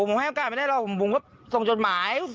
หูยมันไม่แพงโอกาสนะบุญก็ตรงจดหมาย